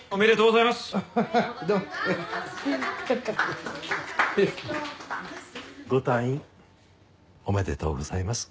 ご退院おめでとうございます。